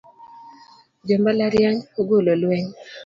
Jo mbalariany ogolo lweny